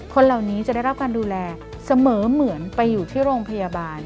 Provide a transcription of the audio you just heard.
คนเหล่านี้จะได้รับการดูแลเสมอเหมือนไปอยู่ที่โรงพยาบาล